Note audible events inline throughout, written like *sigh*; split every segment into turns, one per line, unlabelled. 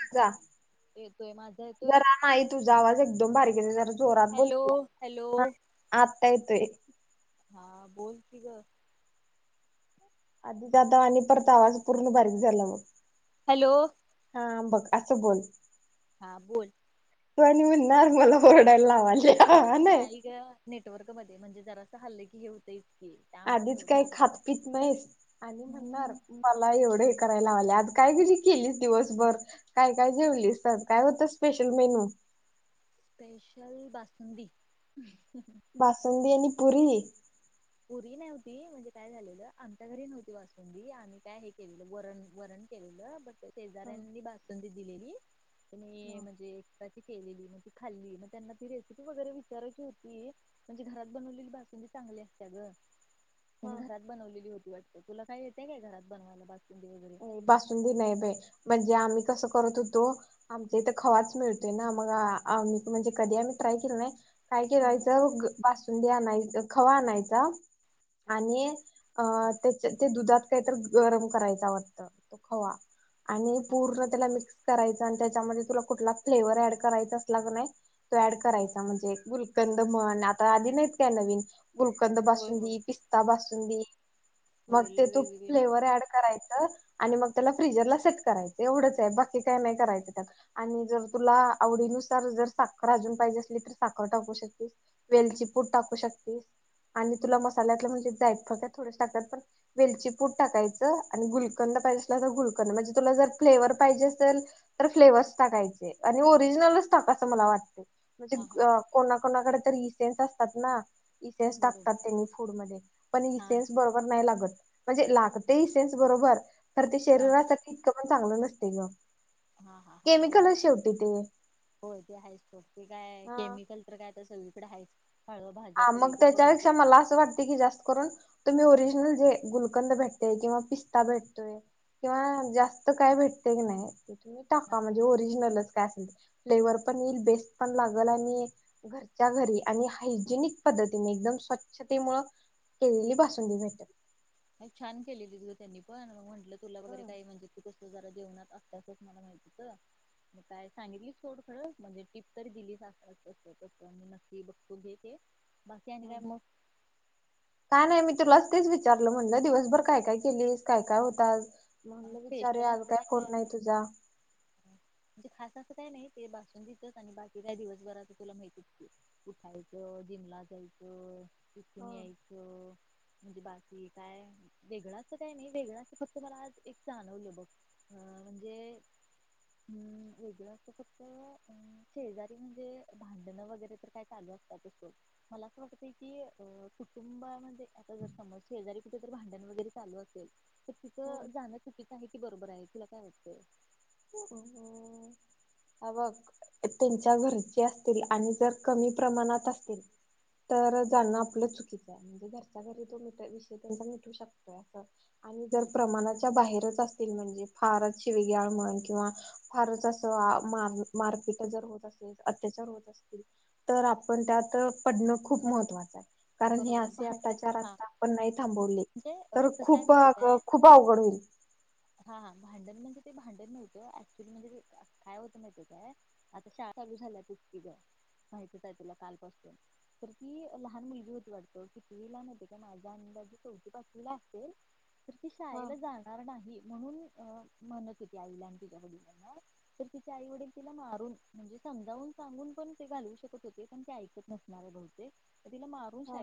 माझा
येतोय माझा येतोय.
जरा नाही तुझा आवाज एकदम बारीक *unintelligible* जोरात
हॅलो
बोलतो
हॅलो.
हा आता येतोय
हा बोलती ग
आधीचदा आणि परता आवाज पूर्ण बारीक झाला मग
हॅलो
हा बघ असं बोल
हा बोल
तू आणि म्हणणार मला ओरडायला लावाला
नाही ग नेटवर्क मध्ये म्हणजे जरा हल्ल की हे होंई
आधीच काही खातपीत नाहीस आणि म्हणणार
हम्म
मला एवढं का ला आ काय क केलीस दिवसभर काय काय जेवलीस काय होत special menu
special basundi
basundi आणि पुरी
पुरी नव्हती म्हणजे काय झालेलं आमच्या घरी नव्हती बासुंदी आम्ही काय हे केलेलं वरण वरण केलेलं बट
हा
शेजऱ्यांनी बासुंदी दिलेली म्हणजे केलेली मग ती खाल्ली मग त्यांना ती रेसिपी वगैरे विचारायची होती म्हणजे घरात बनवलेली बासुंदी तेी चांगल्या चग त्यांनी
हा
घरात बनवलेली होती वा तुला काही येते का घरात बनवायला बाकी
ए बासुंदी नाय बाय म्हणजे आम्ही कसं करत होतो आमच्या इथ खवाच मिळतोय ना मग आम्ही म्हणजे कधी आम्ही ट्राय केलं नाही. काय
हम्म
केरायचंस? आणय खवा आणायचा आणि अ
हा
त्या ते दुधात काहीत गरम करायच. तो खवा आणि
हा
पूर्ण त्याला
हा
मिक्स करायचा आणि त्याच्यामध्ये तुला कुठला फ्लेवर ऍड करायचा असला क नाही तो ऍड
हम्म
करायचा म्हणजे गुलकंद म्हण आता आधी नाहीत काय नवीन गुलकंद
होय होय
बासुंदी पिस्ता बासून *unintelligible*
होय
मग ते
लय
तू
वेगवेगळी नाव आहेत
फ्लेवर ऍड करायचं. आणि मग त्याला फ्रीजरला सेट करायचं एवढंच आहे बाकी काय नाही करायचं त्या आणि जर तुला आवडीनुसार जर साखर अजून पाहिजे असली तर साखर टाकू शकतेस वेलची पूट टाकू शकतेस आणि तुला मसाल्यातलं म्हणजे जायत फक थोड टाकत पण वेलची पूट टाकायचं आणि गुल कंद पाहिजे असेल तर गुलकंद म्हणजे तुला जर फ्लेवर पाहिजे असेल तर फ्लेव्हस टाकायचे आणि ओरिजिनलच टाक असं मला वाटत.
हा
म्हणजे
हा
अ कोणा कोणाकडे रिसेनस असतात ना? इसेस
बरोबर
टाकतात त्यांनी फूड म पण
हा
इसेेस बरोबर नाही लागत. म्हणजे लागतेही सेन्स बरोबर. तर ते
हा
शरीरासाठी पण चांगलं नसतय ग.
हा हा हा बरोबर
केमिकलच शेवटी ते
होय ते आहे स्टॉ ते काय
हा
केमिकल तर काय तसं पढाई?
हा मग त्याच्यापेक्षा मला असं वाटते की जास्त करून तुम्ही ओरिजिन जे गुलकंद भेटते किंवा पिस्ता भेटतोय किंवा जास्त काय भेटते की नाही? तुम्ही
हा
टाका म्हणजे ओरिजिनलच. फ् पण ये बेस् पण लागल घरच्या घरी. जिनिक पद्धतीने एकदम स्वच्छते मु केलेली बासुंदी भेटत.
छान केलेली तु त्यांनी पण मग म्हण तुला वगैर काय म्हणजे कस जरा जेणार असचच मला माहिती म काय सांगितली थोड खरं म्हणजे टीप तरी दिली अस मी नक्की बघतो घ बाकी अ
हम्म.
काय म?
काय नाही मी तुलाच तेच विचारलं म्हटलं दिवसभर काय काय केलीस काय काय होतात. म्हणलं विचारे आज काय कोण नाही तुझा.
म्हणजे खास असं काय नाही ते बसून देतच आणि बाकी काय दिवसभराच तुला माहतीच कुठायचं जिमला जायचं.
हा.
*unintelligible* म्हणजे बाकी काय वेगळां अस काय नाही वेगळा अस फक्त मला आज एक जाणवलं बघ अ म्हणजे अम् वेगळं असतं फक्त अं शेजारी म्हणजे भांडण वगैरे तर काय चालू असतात असो मला असं वाटतय की अं कुटुंबामध्ये आता जर समज शेजारी कुठे तर भांडण वगैरे चालू असेल जाण काहिती बरोबर आहे तुला काय वाटतं
बघ त्यांच्या घरचे असतील आणि जर कमी प्रमाणात असतील तर जाणं आपलं चुकीचं आहे म्हणजे घरच्या घरी तो विषय त्यांचा मिटू शकतोय अस आणि जर प्रमाणाच्या बाहेर अस म्हणजे फार वे किंवा फारच अस मारपीट जर होत असेल अत्याचार होत असतील तर आपण त्यात पडणं खूप महत्वाचं आहे कारण हे
बरोबर आहे
असे
भांडण
अचार
हा
आता आपण नाही थांबवले
म्हणजे अ,
तर
कसं आहे
खूप
माहिती काय
खूप अवघड होईल
हा हा भांडण म्हणजे ते भांडण नव्हतं ऍक्च्युली म्हणजे काय होत नाहीत काय आता शाळा चालू झाल्या त इकीि माहितीच आहे तुला कालपासून तर ती लहान मुलगी होती त किवीला नवते का माझ्या अंदाजी चौथी पाासला असल तरती
हा
शाळेला जाणार नाही म्हणून म्हणत हो आईला आणि ति वडलांना तर तिच्या आई वडील तिला मारून म्हणजे समजावून सांगून पण ते घालू शकत होते पण ते ऐकत नसणारे बते तिला मार
हा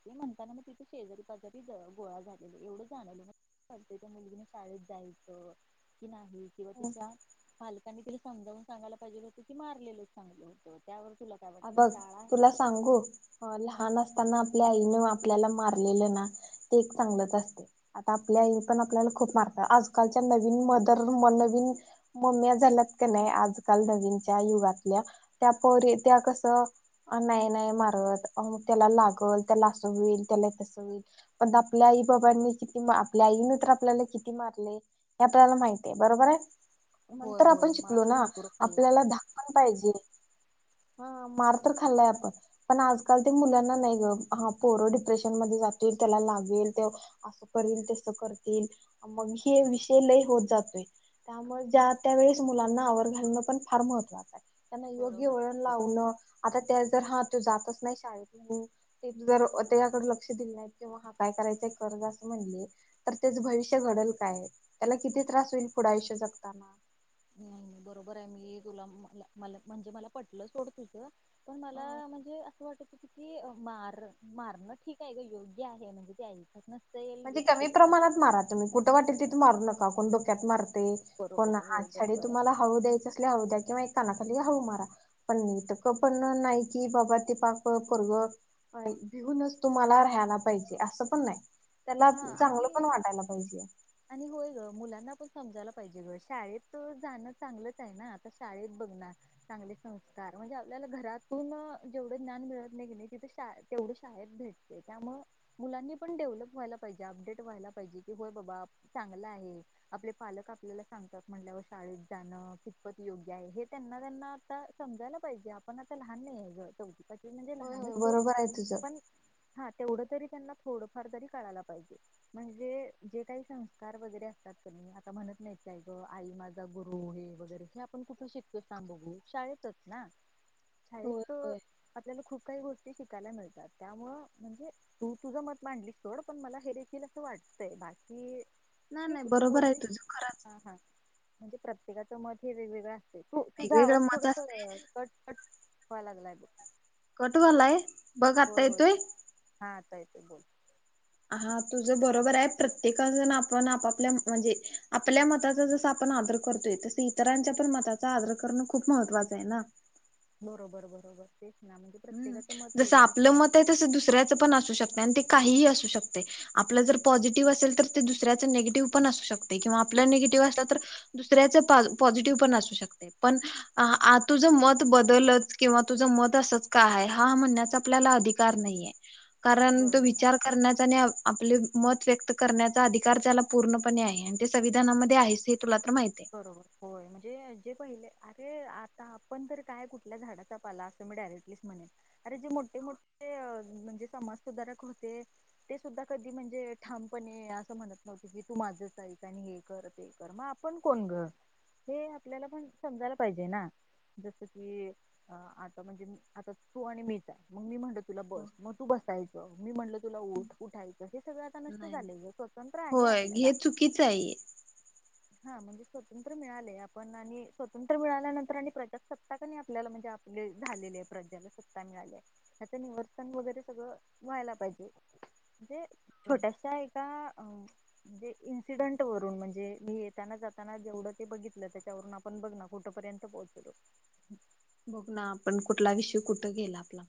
ते म्हणताना मग तिथं शेजारी पाजारी गोळा झालेला एवढं जाणलं मतय मुलगी शाळेत जायचं कि नाही
हा
िवतीच्या फल तिला समजवून सांगायला पाहिजे होतं की मारलेलंच चांगल होतं त्यावर तुला काय
अ
वाटतं
बघ
शाळा
तुला
आहे
सांगू लहान असताना आपल्या आईन आपल्याला मारलेलं ना ते एक चांगलंच असते आता आपल्या आई पण आपल्याला खूप मारतात आजकालच्या नवीन मदर म नवीन मम््या झाल्यात का नाही आजकाल नवीनच्या युगातल्या त्याप त्या कसं नाहीय नय मारतग त्याला लागल त्याला असं होईल त्याला तसं होईल पण आपल्या आई बाबांनी किती आपल्या आईन तर आपल्याला किती मारले हे आपल्याला माहित आहे बरोबर आहे
होय
नंतर
होय
आपण
मार
शिकलो
तर
ना
भरपूर खाल्लाय.
आपल्याला धाक पण पाहिजे हा मार तर खाल्लाय आपण पण आजकाल ते मुलांना नाही ग हा पोरो डिप्रेशन मध्ये जातील त्याला लागेल ते असं करल तेस करतील मग हे विषय लय होत जातोय त्यामुळे ज्या त्या वेळेस मुलांना आवर घालणं पण फार महत्त्वाचं आहे त्यांना योग्य
बरोबर
वळण लावणं आता जर हा जातच नाही शाळेत जर त्याकडे लक्ष दि नाही किवा काय करायच कर्ज अस म्हण तर त्याच भविष्य घडल काय त्याला किती त्रास होईल पुढे आयुष्य जगताना
नाही नाही बरोबर आहे मी तुला म मला म्हणजे मला पटलं सोड तुझ पण मला म्हणजे असं वाटत क मार मारणं ठीक आहे ग योग्य आहे म्हणजे ते ऐका
म्हणजे कमी प्रमाणात माराु्ही कुठ वाटेल तिथ मारू नकाता काको केट मारत ते को
बरोबर आहे होय
आडे
बरोबर आहे.
तुम्हाला हळू द्यायचं असल्या हळू द्या किंवा कानाखाली हू मारा पण नटक पण नाही की बाबा ते पाक परग भिऊनच तुम्हाला राहायला पाहिजे असं पण नाही त्याला
हा
चांगलं पण
आणि
वाटायला पाहिजे
आणि होय ग मुलांना पण समजायला पाहिजे ग शाळेत जाणं चांगलच आहे ना आता शाळेत बघणार चांगले संस्कार म्हणजे आपल्याला घरातून जेवढं ज्ञान मिळत नाही नाही तिथं तेवढ शाळेत भेटते त्यामु मुलांनी पण डेव्हलप व्हायला अ व्हायला पाहिजे की होय बा चांग आहे आपले पालक आपल्याला सांगतात म्ह शाेत जाण कपत योग्य हे त्यां त्यांना आ समजायला पाहिजे आपण आ लह च
हो हो बरोबर आहे तुझं
हा तेवढं तरी त्यांना थोडंफार तरी कळाय लागतं ज म्हणजे जे काही संस्कार वगैरे असतात क आता म्हणत नाही काय ग आई माझा गुरु हे वगैरे हे आपण कुठे शिकतो सां बघू शाळेतच ना शार
होय
त
होय
आपल्याला खूप काही गोष्टी शिकायला मिळतात त्यामु म्हणजे तू तुझं मत मांडलीस थोड पण मला हे देखील असं वाटतय बाकी
नाही नाही
ठीक तू
बरोबर आहे
बोललीस
तुझ खरंच
हा हा म्हणजे प्रत्येकाचं मत हे वेगवेगळं त तुझा आवाज
वेगवेगळं मत असत
थोडंस कट कट व्हाय लागलाय बघ.
कट व्हायलाय बघ आता येतोय
काय ते बोल
हा तुझं बरोबर आहे प्रत्येका जण आपण आपापल्या म्हणजे आपल्या मताचा जस आपण आदर करतोय तसं इतरांच्या पण मताचा आदर करणं खूप महत्वाचं आहे ना.
बरोबर बरोबर ते
हम् जसं आपलं मत आहे तसं दुसऱ्याचं पण असू शकते आणि ते काहीही असू शकतंय आपलं जर पॉसिटीव्ह असेल तर ते दुसऱ्याचं निगेटिव्ह पण असू शकतंय किंवा आपलं निगेटिव्ह असलं तर दुसऱ्याचं पा पॉसिटीव्ह पण असू शकतंय पण आ आ तुझं मत बदललंच की किंवा तुझं मत अस का आहे हा म्हणण्याचा आपल्याला अधिकार नाहीये. कारण तो
बरोबर आहे
विचार करण्याचा आणि आपले मत व्यक्त करण्याचा अधिकार त्याला पूर्णपणे आहे आणि ते संविधानामध्ये आहेच हे तुला तर माहित आहे.
बरोबर होय म्हणजे जे पहिले अरे आता आपण तर काय कुठल्या झाडाचा पाला असं मी डायरेक्टलीच म्हणेल अरे जे मोठे मोठे म्हणजे समाज सुधारक होते ते सुद्धा कधी म्हणजे ठामपणे असं म्हणत नव्हते की तू माझंच ऐक आणि हे कर ते कर मग आप पण कोण गं हे आपल्याला पण समजायला पाहिजे ना जसं की आता म्हणजे आता तू आणि मीचा मग मी म्हणल तुला
हो.
बस मग तू बसायच मी म्हणलं तुला उठ उठायचं हे सगळं आता नष्ट
नाही नाही
झालंय गं स्वतंत्र आहे
होय
आपल्याला.
हे चुकीचं आहे.
हा म्हणजे स्वतंत्र मिळालंय आपण आणि स्वतंत्र मिळाल्यानंतर आणि प्रजासत्ता क नाय आपल्याला म्हणजे आपले झालेली आहे प्रजाला सत्ता मिळाली त्याचं निवर्सन वगैरे सगळं व्हायला पाहिजे म्हणजे
होय.
छोट्याशा एका म्हणजे अ इन्सिडंट वरून म्हणजे हे त्यांना जाताना जेवढं ते बघितलं त्याच्यावरून आपण बघ ना कुठं पर्यंत पोहोचलो.
बघ ना पण कुठला विषय कुठं गेला आपला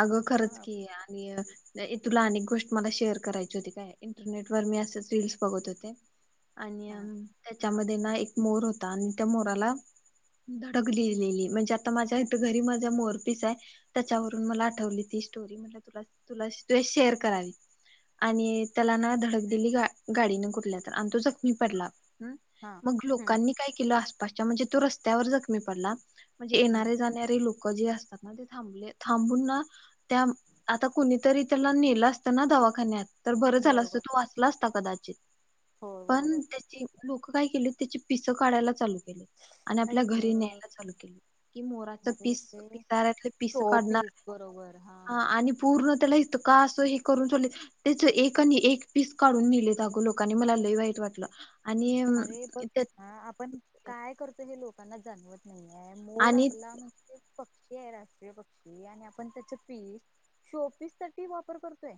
अगं
हा
खरंच की आणि अ तुला आणिक गोष्ट मला शेअर करायची होती काय इंटरनेट वर मी असेच रीलस बघत होते. आणि
हा
अ त्याच्यामध्ये आणि ना एक मोर होता आणि त्या मोराला *inaudible* म्हणजे आता माझ्या इथं घरी माझ्या मोरपीस आहे त्याच्यावरून मला आठवली ती स्टोरी म्हणलं तु तुला तु शेअर करावी आणि त्याला ना धडक दिली गाडीने कुठल्या तर आणि तो जखमी पडला. ह
हा
मग
हम्म
लोकांनी काय केलं आसपास् म्हणजे तो रस्त्यावर जखमी पडला. म्हणजे
हम्म
येणारे जाणारे लोकं जे अस ते थांबले थांबून ना त्या आता कुणीतरी त्याला नेलं असतं ना दवाखान्यात. तर बरं झालं असतं
बरोबर
तो वाचला असता कदाचित
हो
पण
बरोबर
त्याची लोकं काय केली. त्याची पिसं काढायला चाल केली आणि
आई
आपल्या घरी
गं
न्यायला चालू केले कि मोराच
अरे
पीस
ते
पिसाऱ्यातलं पिसं
शोपीस
काढणारं
बरोबर हा
ह आणि पूर्ण त्याला इथं का असं हे करून तेले त्याचं एक आणि एक पीस काढून नेले अगो लोकांनी मला लई वाईट वाटलं. आणि
अरे बघ
त्यात
ह आपण काय करतो हे लोक पना जाणवत नाही मोर
आणि
आपला म्हणजे राष्ट्रीय पक्षी आणि आपण त्याच पीस शो पीस साठी वापर करतोय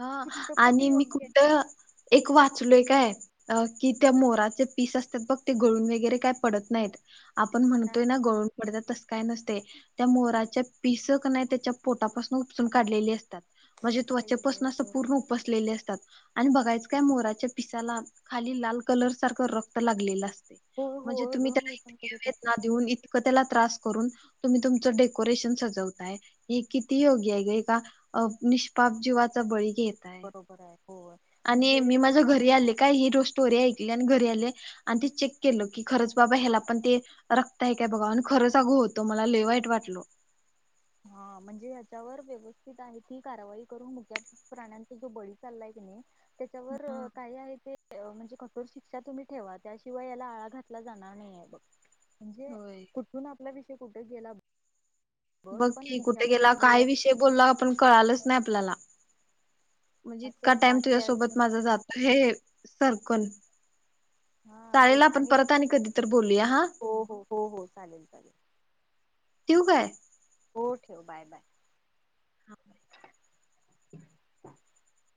हा
कितपत
आणि मी
योग्य आहे ग
कुठं एक वाचलोय काय अ की त्या मोराचे पीस असतात बघ ते गळून वगैरे काय पडत नाहीत आपण
हा
म्हणतोय ना गोळून पडतात तस काय नसतंय ते मोरच पीस त्याच्या पोटापासन उपसून काढल्याला असतंय
आई
पून असं
ग
पूर्ण उपसलेले असतात आणि बघायचं काय मोराच्या पिसाला खाली लाल कलर सारखं रक्त लागलेलं असत
होय
म्हणजे
होय
तुम्ही
ग
त्या
मी
इ
पण
घे
बघितलंय
ना देऊन इ ला त्रास करून तुम्ही तुमच डेकोरेशन सजवताय किती योग्य निष् जवाात बळी
बरोबर आहे होय म्हणजे
आणि
हे
मी माझं
ह्याच्यावर
घरी आले काय हे रोज तोरी ऐक आणि घरी आले आणि ते चेक केलं की खरंच बाबा ह्याला पण ते रक्त आहे काय बघा आणि खरच अगो होतो मला ल वाईट वाटल
हा म्हणजे ह्याच्यावर व्यवस्थित आहे की कारवाई करून मुठ्या प्राण्यांचा जो बळी चाललाय की नाही त्याच्यावर काय आहे ते म्हणजे कठोर शिक्षा तुम्ही ठेवा त्याशिवाय याला आळा घातला जाणार नाहीये बघ म्हणजे
होय
कुठून आपला वि कुठे गेला बघ
बग
पण
की
मुख्या
कुठे गेला
प्राण जीव
काय विषय बोलला आपण कळालाच नइ आपल्याला म्हणजे इतका
असो
टाइम
बाकी
तुझ्यासोबत माझा जातोय हे सर्कल
हा तेच आणि बघ
तर बोलूया हा
हो हो हो चालेल चालेल
ठिव काय
हो ठेव बाय बाय
हा
ह